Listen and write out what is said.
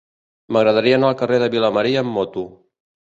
M'agradaria anar al carrer de Vilamarí amb moto.